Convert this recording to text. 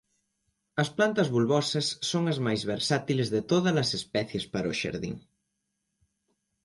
As plantas bulbosas son as máis versátiles de tódalas especies para o xardín.